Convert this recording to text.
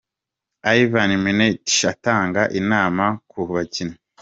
Ivan Minaert atanga inama ku bakinnyi .